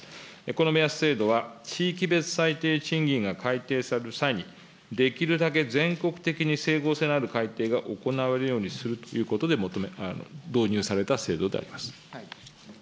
この目安制度は、地域別最低賃金が改定される際に、できるだけ全国的に整合性のある改定が行われるようにするということで導入された制度であります。